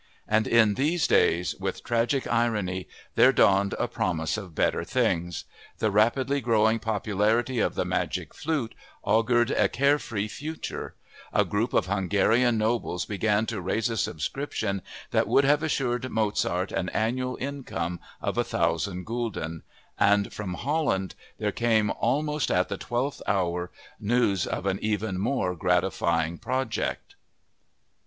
And in these days, with tragic irony, there dawned a promise of better things! The rapidly growing popularity of The Magic Flute augured a carefree future; a group of Hungarian nobles began to raise a subscription that would have assured Mozart an annual income of 1000 Gulden; and from Holland there came, almost at the twelfth hour, news of an even more gratifying project.